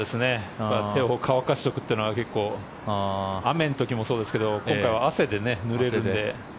手を乾かしておくというのは雨の時もそうですが今回は汗でぬれるので。